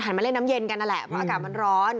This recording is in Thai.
มาเล่นน้ำเย็นกันนั่นแหละเพราะอากาศมันร้อน